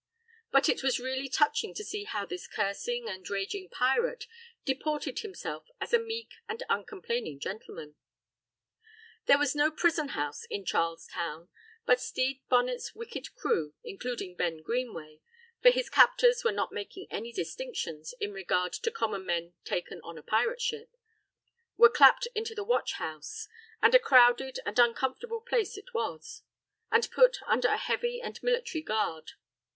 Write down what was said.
It was really touching to see how this cursing and raging pirate deported himself as a meek and uncomplaining gentleman. There was no prison house in Charles Town, but Stede Bonnet's wicked crew, including Ben Greenway for his captors were not making any distinctions in regard to common men taken on a pirate ship were clapped into the watch house and a crowded and uncomfortable place it was and put under a heavy and military guard.